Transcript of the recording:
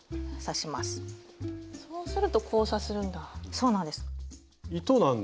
そうすると交差するんだ。